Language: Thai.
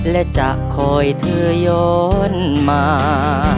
และจะคอยเธอย้อนมา